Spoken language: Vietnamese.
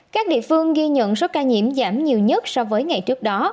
các địa phương ghi nhận số ca nhiễm giảm nhiều nhất so với ngày trước đó